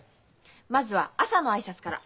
まずは朝の挨拶から。